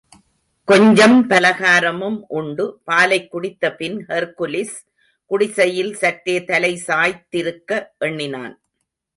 கொஞ்சம் பலகாரமும் உண்டு, பாலைக் குடித்த பின், ஹெர்க்குலிஸ் குடிசையில் சற்றே தலை சாய்த்திருக்க எண்ணினான்.